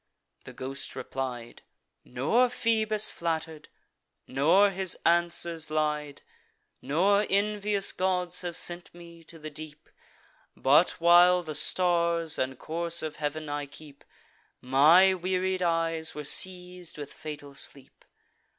The ghost replied; "Nor Phoebus flatter'd, nor his answers lied; Nor envious gods have sent me to the deep: But, while the stars and course of heav'n I keep, My wearied eyes were seiz'd with fatal sleep.